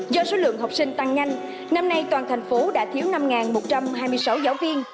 do số lượng học sinh tăng nhanh năm nay toàn thành phố đã thiếu năm một trăm hai mươi sáu giáo viên